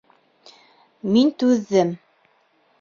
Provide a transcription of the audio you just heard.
Мин түҙҙем.